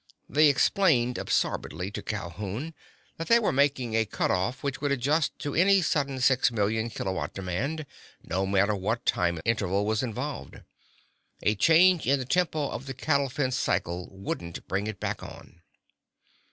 They explained absorbedly to Calhoun that they were making a cutoff which would adjust to any sudden six million kilowatt demand, no matter what time interval was involved. A change in the tempo of the cattle fence cycle wouldn't bring it back on.